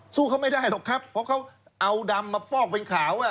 สู้เขาไม่ได้หรอกครับเพราะเขาเอาดำมาฟอกเป็นขาว